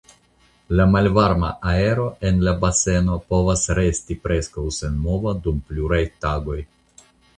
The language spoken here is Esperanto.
La malvarma aero en la baseno povas resti preskaŭ senmova dum pluraj tagoj.